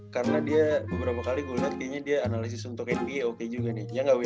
karena dia beberapa kali gue liat kayaknya dia analisis untuk nba oke juga nih